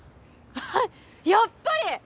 やっぱり！